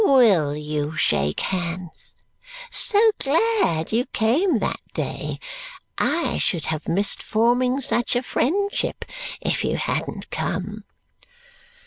WILL you shake hands? So glad you came that day! I should have missed forming such a friendship if you hadn't come!"